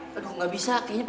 kabun ganda anu